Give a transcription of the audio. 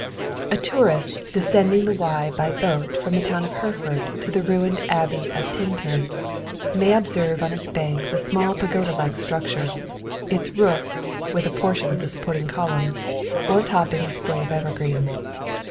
A tourist descending the Wye by boat from the town of Hereford to the ruined Abbey of Tintern, may observe on its banks a small pagoda like structure; its roof, with a portion of the supporting columns, o'er topping a spray of evergreens.